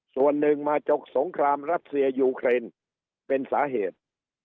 ส่วนหนึ่งมาจบสงครามรัสเซียยูเครนเป็นสาเหตุ